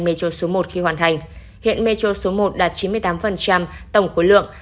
metro số một khi hoàn thành hiện metro số một đạt chín mươi tám tổng khối lượng